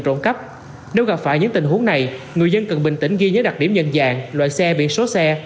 trong những tình huống này người dân cần bình tĩnh ghi nhớ đặc điểm nhân dạng loại xe biển số xe